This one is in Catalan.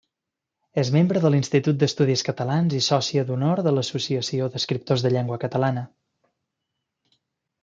És membre de l'Institut d'Estudis Catalans i sòcia d'honor de l'Associació d'Escriptors en Llengua Catalana.